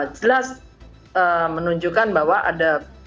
jelas menunjukkan bahwa ada